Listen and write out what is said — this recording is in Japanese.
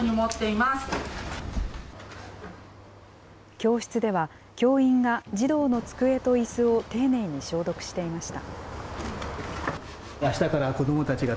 教室では、教員が児童の机といすを丁寧に消毒していました。